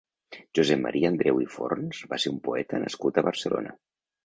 Josep Maria Andreu i Forns va ser un poeta nascut a Barcelona.